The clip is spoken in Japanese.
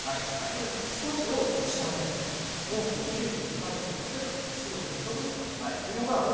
だけど少しを１％多くを９９％っていうとすごい説得力があるという。